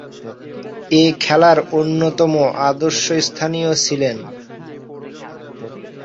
এ খেলার অন্যতম আদর্শস্থানীয় ছিলেন।